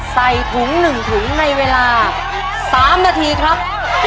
ใส่ถุง๑ถุงในเวลา๓นาทีครับ